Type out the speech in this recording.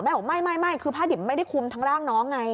บอกไม่คือผ้าดิบไม่ได้คุมทั้งร่างน้องไง